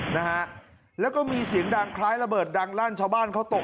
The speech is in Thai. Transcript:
นะฮะแล้วก็มีเสียงดังคล้ายระเบิดดังลั่นชาวบ้านเขาตก